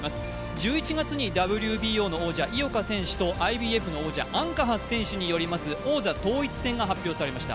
１１月にＷＢＯの王者、井岡選手とＩＢＦの王者、アンカハス選手による王座統一戦が発表されました。